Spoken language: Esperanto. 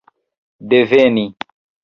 deveni